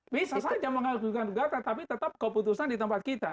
bisa saja mengajukan juga tetapi tetap keputusan di tempat kita